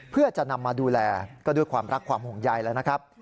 เพื่อจะนำมาดูแลก็ด้วยความรักความห่วงใยแล้วนะครับ